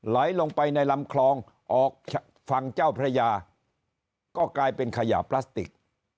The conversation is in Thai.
ไหลลงไปในลำคลองออกฝั่งเจ้าพระยาก็กลายเป็นขยะพลาสติก